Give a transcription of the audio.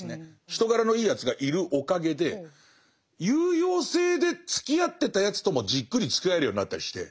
人柄のいいやつがいるおかげで有用性でつきあってたやつともじっくりつきあえるようになったりして。